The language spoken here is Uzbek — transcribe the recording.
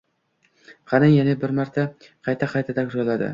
— Qani, yana bir marta, — qayta-qayta takrorladi